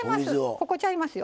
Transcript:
ここちゃいますよ。